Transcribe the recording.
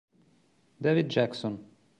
David Jackson